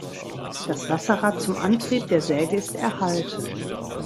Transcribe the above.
Das Wasserrad zum Antrieb der Säge ist erhalten.